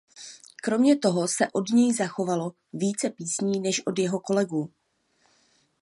Kromě toho se od něj zachovalo více písní než od jeho kolegů.